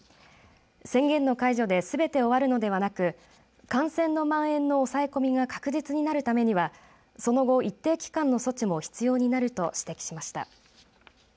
宣言の解除ですべて終わるのではなく感染のまん延の抑え込みが確実になるためにはその後、一定期間の措置も必要になると指摘しました。